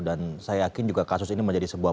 dan saya yakin juga kasus ini menjadi sebuah